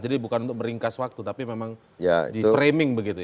jadi bukan untuk meringkas waktu tapi memang di framing begitu ya